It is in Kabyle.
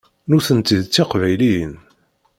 Nutenti d tiqbayliyin.